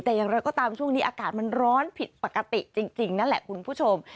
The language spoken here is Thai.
แต่อย่างไรก็ตามช่วงนี้อากาศมันร้อนผิดปกติจริงนั่นแหละคุณผู้ชม